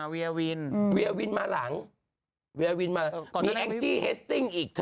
เวียร์วินวียร์วินมาหลังมีแองจิเฮสติ้งอีกเธอ